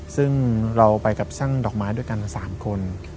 ซึ่งเราไปกับช่างดอกไม้ด้วยกัน๓คน